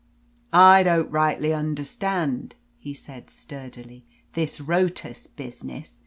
"I don't rightly understand," he said sturdily, "this 'rotas' business.